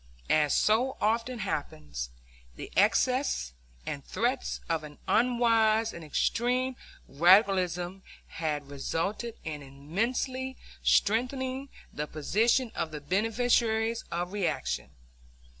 As so often happens, the excesses and threats of an unwise and extreme radicalism had resulted in immensely strengthening the position of the beneficiaries of reaction.